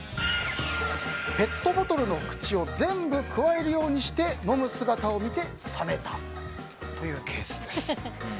ペットボトルの口を全部くわえるようにして飲む姿を見て冷めたというケースです。